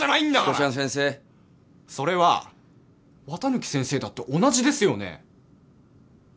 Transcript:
それは綿貫先生だって同じですよね？